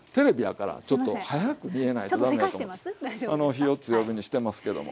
火を強火にしてますけども。